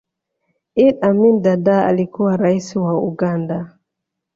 idd amin dada alikuwa raisi wa uganda